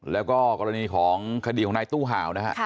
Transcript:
แล้วก็กรณีของคดีของนายตู้ห่าวนะฮะ